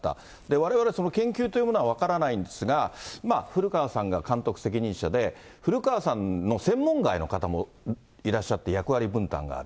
われわれ、研究というものは分からないんですが、古川さんが監督責任者で、古川さんの専門外の方もいらっしゃって、役割分担がある。